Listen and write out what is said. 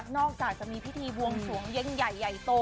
จากจะมีพิธีบวงสวงเย็นใหญ่ใหญ่โต